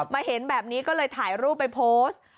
เห็นแบบนี้ก็เลยถ่ายรูปไปโพสต์